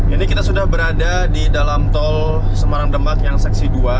ini kita sudah berada di dalam tol semarang demak yang seksi dua